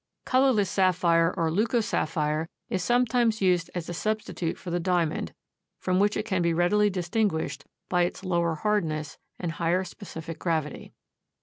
Colorless sapphire or leucosapphire is sometimes used as a substitute for the diamond, from which it can readily be distinguished by its lower hardness and higher specific gravity.